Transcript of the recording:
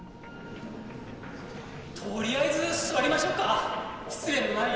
取りあえず座りましょうか失礼のないよう。